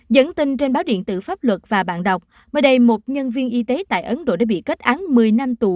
dẫn tin trên báo điện tử pháp luật và bạn đọc mới đây một nhân viên y tế tại ấn độ đã bị kết án một mươi năm tù